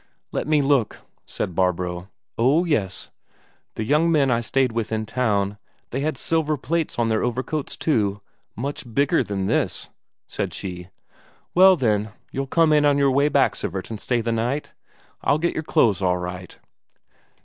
"Let me look," said Barbro. "Oh yes; the young men I stayed with in town, they had silver plates on their overcoats too, much bigger than this," said she. "Well, then, you'll come in on your way back, Sivert, and stay the night? I'll get your clothes all right."